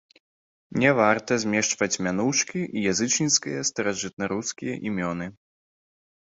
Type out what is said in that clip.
Не варта змешваць мянушкі і язычніцкія старажытнарускія імёны.